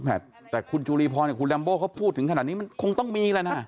อ่าแต่คุณจุฬิพรกับคุณเรมโบ้เขาพูดถึงขนาดนี้มันคงต้องมีแหละนะ